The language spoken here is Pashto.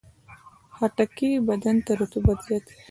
خټکی بدن ته رطوبت زیاتوي.